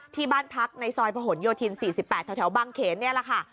ที่บ้านพักในซอยผนโยธิน๔๘แถวบางเขนนี่แหละค่ะ